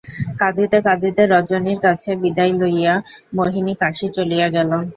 কাঁদিতে কাঁদিতে রজনীর কাছে বিদায় লইয়া মোহিনী কাশী চলিয়া গেল।